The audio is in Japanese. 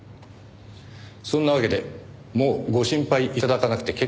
そんなわけでもうご心配頂かなくて結構ですので。